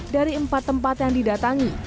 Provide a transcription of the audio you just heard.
dari empat tempat yang didatangi